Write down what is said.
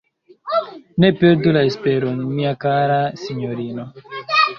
Ne perdu la esperon, mia kara sinjorino!